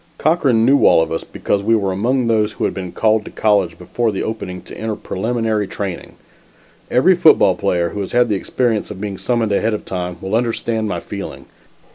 Cochran knew all of us because we were among those who had been called to college before the opening to enter preliminary training. Every football player who has had the experience of being summoned ahead of time will understand my feeling.